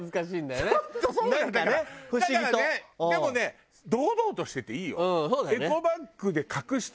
だからねでもね堂々としてていいよ。